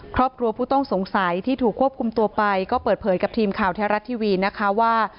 ครอบครัวผู้ต้องสงสัยที่ถูกควบคุมตัวไปก็เปิดเผยกับทีมข่าวแท้รัฐทีวีนะคะว่า